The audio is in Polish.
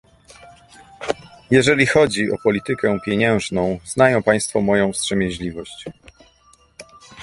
Jeżeli chodzi o politykę pieniężną, znają państwo moją wstrzemięźliwość